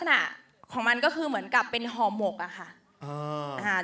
นี่มันก็คือเหมือนกับเป็นห่อหมกอ่ะค่ะ